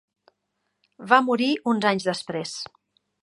Va morir uns anys després.